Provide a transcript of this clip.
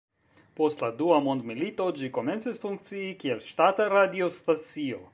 Post la Dua Mondmilito ĝi komencis funkcii kiel ŝtata radiostacio.